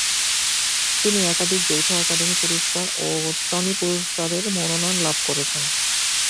তিনি একাধিক যৌথ একাডেমি পুরস্কার ও টনি পুরস্কারের মনোনয়ন লাভ করেছেন।